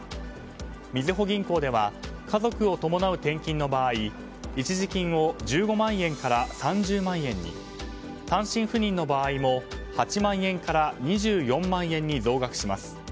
みずほ銀行では家族を伴う転勤の場合一時金を１５万円から３０万円に。単身赴任の場合も８万円から２４万円に増額します。